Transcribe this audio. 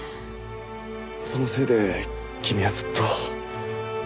そのせいで君はずっと。